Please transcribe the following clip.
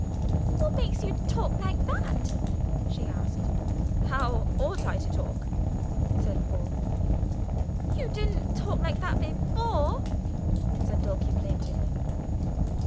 "What makes you talk like that?" she asked. "How ought I to talk?" said Paul. "You didn't talk like that before," said Dulcie plaintively.